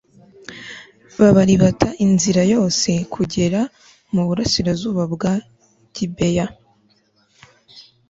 babaribata inzira yose kugera mu burasirazuba bwa gibeya